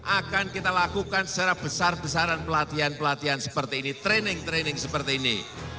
akan kita lakukan secara besar besaran pelatihan pelatihan seperti ini training training seperti ini